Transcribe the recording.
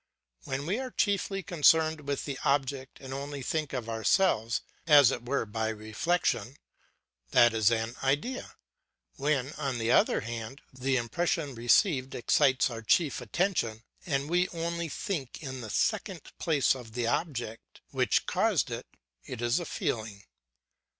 When we are chiefly concerned with the object and only think of ourselves as it were by reflection, that is an idea; when, on the other hand, the impression received excites our chief attention and we only think in the second place of the object which caused it, it is a feeling.